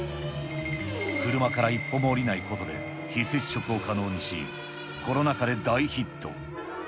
車から一歩も降りないことで、非接触を可能にし、コロナ禍で大ヒット。